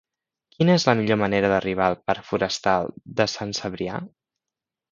Quina és la millor manera d'arribar al parc Forestal de Sant Cebrià?